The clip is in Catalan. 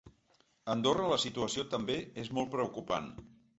A Andorra la situació també és molt preocupant.